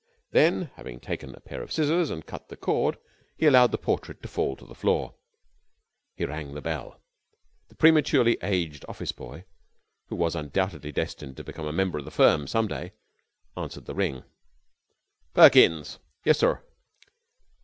Then, having taken a pair of scissors and cut the cord, he allowed the portrait to fall to the floor. He rang the bell. The prematurely aged office boy, who was undoubtedly destined to become a member of the firm some day, answered the ring. 'Perkins.' 'Yes, sir?'